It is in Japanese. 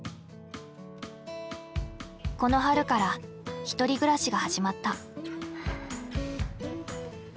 この春から１人暮らしが始まった。